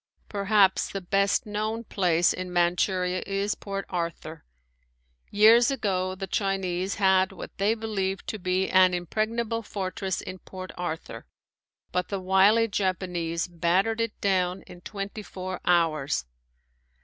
Perhaps the best known place in Manchuria is Port Arthur. Years ago the Chinese had what they believed to be an impregnable fortress in Port Arthur, but the wily Japanese battered it down in twenty four hours.